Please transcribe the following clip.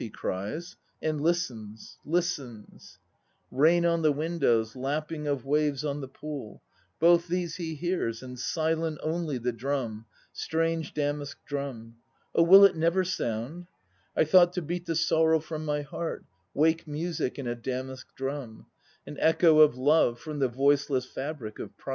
he cries, and listens, listens: Rain on the windows, lapping of waves on the pool Both these he hears, and silent only The drum, strange damask drum. Oh, will it never sound? I thought to beat the sorrow from my heart, Wake music in a damask drum; an echo of love From the voiceless fabric of pride!